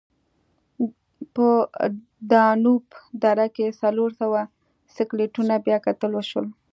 په دانوب دره کې څلور سوه سکلیټونه بیاکتل وشول.